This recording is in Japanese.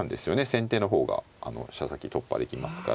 先手の方が飛車先突破できますから。